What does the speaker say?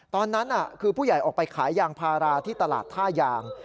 ตอนนั้นคือผู้ใหญ่ออกไปขายยางพาราที่ตลาดท่ายาง